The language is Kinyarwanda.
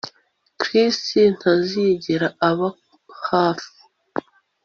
Chris ntazigera aba hafi